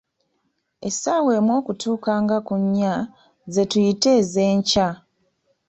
Essaawa emu okutuuka nga ku nnya, ze tuyita ez'enkya’